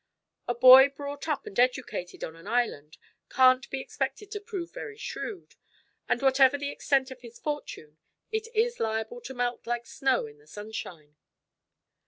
A boy brought up and educated on an island can't be expected to prove very shrewd, and whatever the extent of his fortune it is liable to melt like snow in the sunshine."